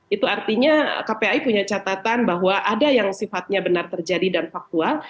itu artinya kpai punya catatan bahwa ada yang sifatnya benar terjadi dan faktual